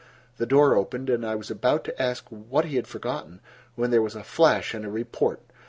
The door opened and I was about to ask what he had forgotten, when there was a flash and a report.